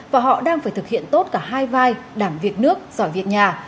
và họ đang phải thực hiện tốt cả hai vai đảm việc nước giỏi việc nhà